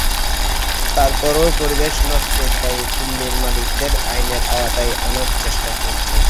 তার পরও পরিবেশ নষ্টের দায়ে চুল্লির মালিকদের আইনের আওতায় আনার চেষ্টা চলছে।